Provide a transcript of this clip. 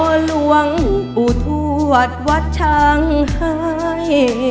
หัวหลวงอู่ทวัดวัดช่างหาย